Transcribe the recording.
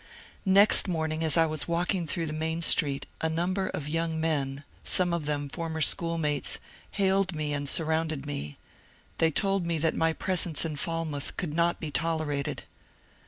Next morning as I was walking through the main street a number of young men, some of them former schoolmates, hailed me and surrounded me; they told me that my presence in Falmouth could not be tol erated.